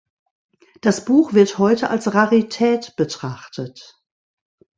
Das Buch wird heute als Rarität betrachtet.